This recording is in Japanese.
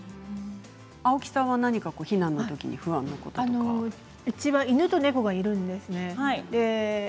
青木さんは何か避難のときに不安なことはうちは犬と猫がいるんですね。